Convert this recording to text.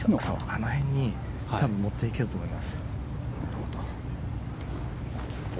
あの辺に持っていけると思います。